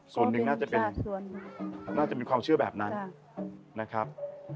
ส่วนหนึ่งน่าจะเป็นน่าจะเป็นความเชื่อแบบนั้นนะครับ